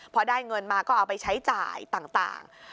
พอได้เงินมาก็เอาไปใช้จ่ายต่าง